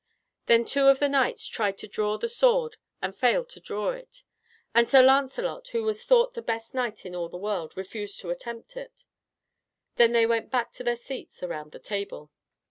Then two of the knights tried to draw the sword and failed to draw it, and Sir Lancelot, who was thought the best knight in all the world, refused to attempt it. Then they went back to their seats around the table.